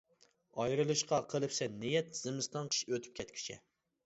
ئايرىلىشقا قىلىپسەن نىيەت، زىمىستان قىش ئۆتۈپ كەتكۈچە.